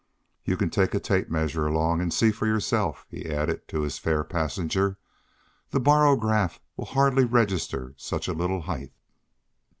"You can take a tape measure along, and see for yourself," he added to his fair passenger. "The barograph will hardly register such a little height."